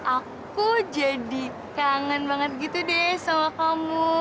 aku jadi kangen banget gitu deh sama kamu